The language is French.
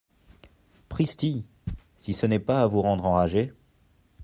Pristi ! si ce n'est pas à vous rendre enragé !